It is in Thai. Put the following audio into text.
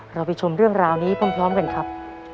เราไปชมเรื่องราวนี้พร้อมกันครับ